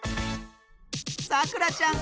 さくらちゃん